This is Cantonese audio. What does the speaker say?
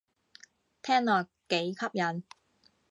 聽落幾吸引